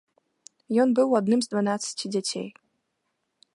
Ён быў адным з дванаццаці дзяцей.